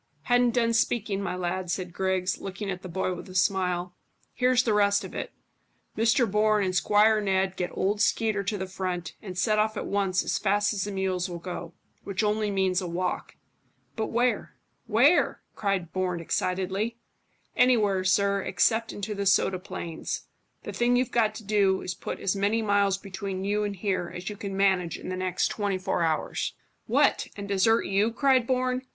"Hadn't done speaking, my lad," said Griggs, looking at the boy with a smile. "Here's the rest of it. Mr Bourne and Squire Ned get old Skeeter to the front; and set off at once as fast as the mules will go, which only means a walk." "But where where?" cried Bourne excitedly. "Anywhere, sir, except into the soda plains. The thing you've got to do is to put as many miles between you and here as you can manage in the next twenty four hours." "What, and desert you?" cried Bourne.